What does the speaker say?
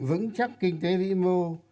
vững chắc kinh tế vĩ mô